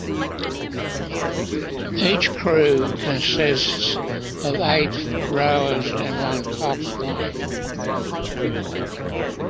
Each crew consists of eight rowers and one coxswain.